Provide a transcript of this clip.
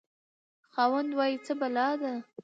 خاوند: وایه څه بلا ده؟